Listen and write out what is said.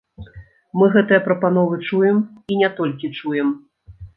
Мы гэтыя прапановы чуем, і не толькі чуем.